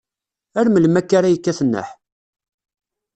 Ar melmi akka ara yekkat nneḥ?